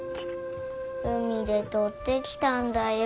海でとってきたんだよ。